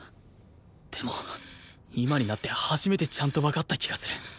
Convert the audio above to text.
でも今になって初めてちゃんとわかった気がする